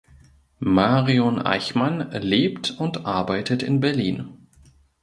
Marion Eichmann lebt und arbeitet in Berlin.